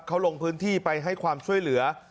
เขาลงพื้นที่ไปให้ความช่วยเหลือ